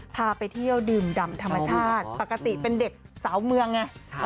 พาไปเที่ยวดื่มดำธรรมชาติปกติเป็นเด็กสาวเมืองไง